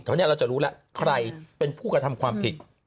นี้เราจะรู้แล้วใครเป็นผู้กระทำความผิด